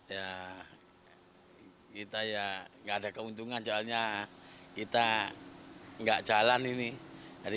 menurut catatan asosiasi pengusaha truk indonesia